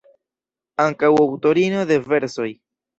Ankaŭ aŭtorino de versoj.